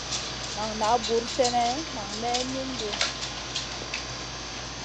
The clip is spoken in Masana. Nan na buur sènè nang may mindi.